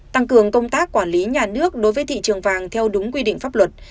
tăng cường công tác quản lý nhà nước đối với thị trường vàng theo đúng quy định pháp luật